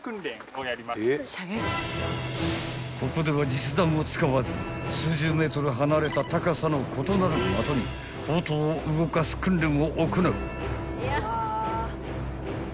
［ここでは実弾を使わず数十メートル離れた高さの異なる的に砲塔を動かす訓練を行う］